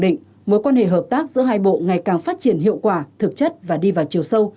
định mối quan hệ hợp tác giữa hai bộ ngày càng phát triển hiệu quả thực chất và đi vào chiều sâu